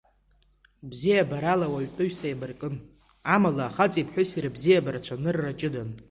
Бзиабарала ауаҩытәыҩса деибаркын, амала ахаҵеи аԥҳәыси рыбзиабара цәанырра ҷыдан.